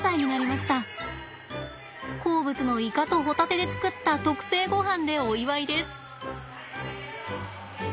好物のイカとホタテで作った特製ごはんでお祝いです。